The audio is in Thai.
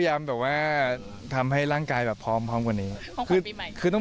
ถ้าเกิดมันทำได้จริงก็ได้ครับ